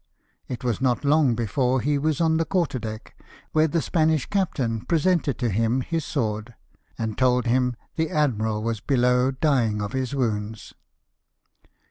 It was not long before he was on the quarterdeck, where the Spanish captain presented to him his sword, and told him the admiral was below, dying of his wounds.